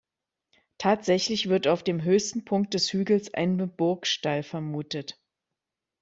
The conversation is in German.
Tatsächlich wird auf dem höchsten Punkt des Hügels eine Burgstall vermutet.